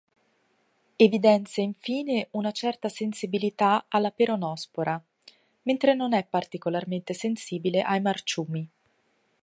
Evidenzia infine una certa sensibilità alla peronospora, mentre non è particolarmente sensibile ai marciumi.